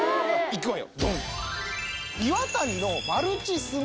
いくわよ